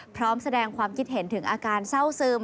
พร้อมแสดงความคิดเห็นถึงอาการเศร้าซึม